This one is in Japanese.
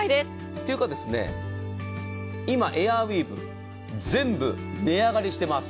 というか、今、エアウィーヴ、全部値上がりしています。